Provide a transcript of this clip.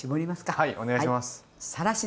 はいお願いします。